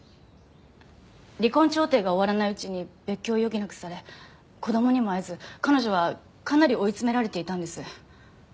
離婚調停が終わらないうちに別居を余儀なくされ子供にも会えず彼女はかなり追い詰められていたんです。